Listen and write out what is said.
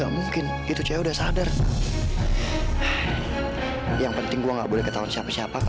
aku minta maaf karena sudah membiarkan